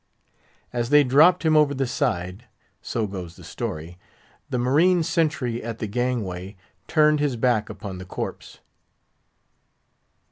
As they dropped him over the side—so goes the story—the marine sentry at the gangway turned his back upon the corpse.